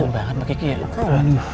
gampang banget mak geki ya